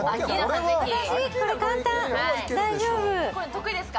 得意ですか？